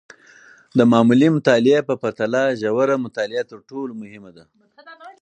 د معمولي مطالعې په پرتله، ژوره مطالعه تر ټولو مهمه ده.